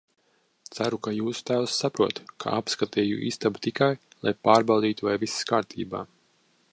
Ceru, ka jūsu tēvs saprot, ka apskatīju istabu tikai, lai pārbaudītu, vai viss kārtībā.